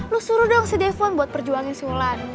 lo suruh dong si defon buat perjuangin si wulan